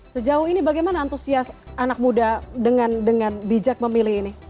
sejauh ini bagaimana antusias anak muda dengan bijak memilih ini